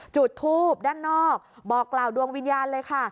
จุดทูบด้านนอกบอกกล่าวดวงวิญญาณเลยค่ะ